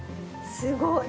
すごい。